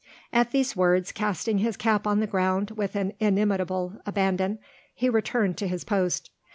At these words, casting his cap on the ground with an inimitable abandon, he returned to his post.